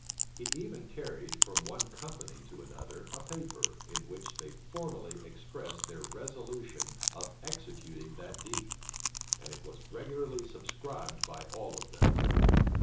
He even carried, from one company to another, a paper, in which they formally expressed their resolution of executing that deed; and it was regularly subscribed by all of them.